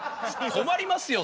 困りますよ